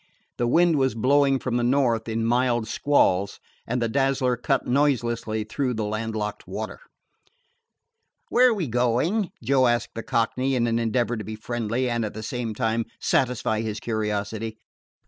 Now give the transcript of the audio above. The wind was blowing from the north in mild squalls, and the Dazzler cut noiselessly through the landlocked water. "Where are we going?" Joe asked the Cockney, in an endeavor to be friendly and at the same time satisfy his curiosity.